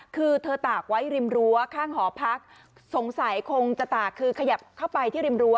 คือเธอตากไว้ริมรั้วข้างหอพักสงสัยคงจะตากคือขยับเข้าไปที่ริมรั้